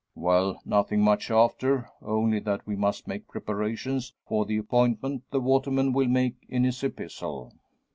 "Well, nothing much after; only that we must make preparations for the appointment the waterman will make in his epistle."